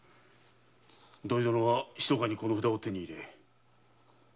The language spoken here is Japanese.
土井殿は密かにこの札を手に入れた。